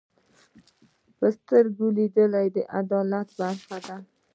په سترګو لیدل د عادت برخه ده